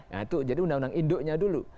nah itu jadi undang undang induknya dulu